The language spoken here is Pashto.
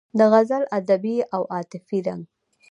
د غزل ادبي او عاطفي رنګ